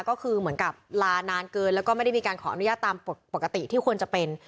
ก็คือเหมือนกับลานานเกินแล้วก็ไม่ได้มีการขออนุญาตตามปกติที่ควรจะเป็น